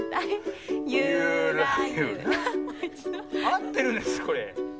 あってるんですかこれ？